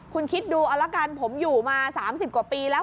คุณคิดดูเอาละกันผมอยู่มา๓๐กว่าปีแล้ว